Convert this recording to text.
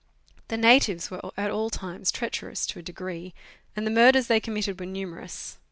The natives were at all times treacherous to a degree, and the murders they committed were numerous.